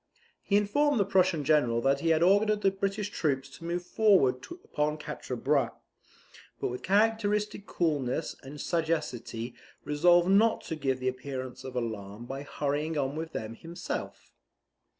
He informed the Prussian general that he had ordered the British troops to move forward upon Quatre Bras; but with characteristic coolness and sagacity resolved not to give the appearance of alarm by hurrying on with them himself.